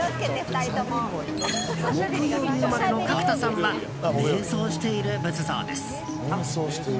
木曜日生まれの角田さんは瞑想している仏像です。